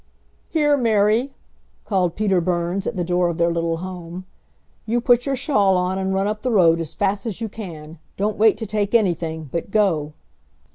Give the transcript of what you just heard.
"Here, Mary!" called Peter Burns at the door of their little home, "you put your shawl on and run up the road as fast as you can! Don't wait to take anything, but go!"